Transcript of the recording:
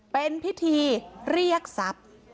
เป็นพิธีเรียกทรัพย์